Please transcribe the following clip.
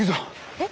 えっ？